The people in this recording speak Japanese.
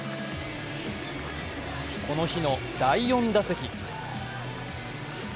この日の第４打席。